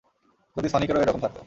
যদি সনিকেরও এরকম থাকতো।